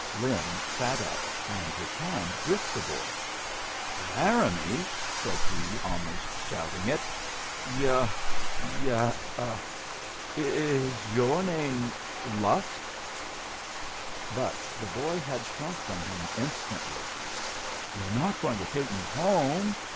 Lin sat up, and his hand gripped the boy. "Laramie!" said he, almost shouting it. "Yu' yu' is your name Lusk?" But the boy had shrunk from him instantly. "You're not going to take me home?"